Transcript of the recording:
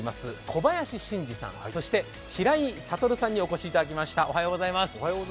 小林信次さん、そして、平井悟さんにお越しいただきました。